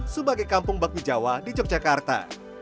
sebagai kampung bakmi jawa di yogyakarta